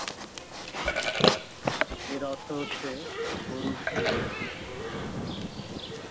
এর অর্থ হচ্ছে "গরুর শিং"।